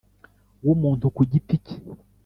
W umuntu ku giti ke